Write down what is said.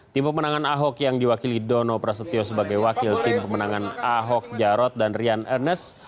tim pemenangan ahok yang diwakili dono prasetyo sebagai wakil tim pemenangan ahok jarot dan rian ernest